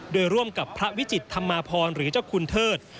โดยร่วมกับพระวิจิตธรรมาพรหรือเจ้าคุณเทิด